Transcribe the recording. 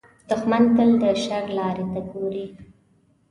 دښمن تل د شر لارې ته ګوري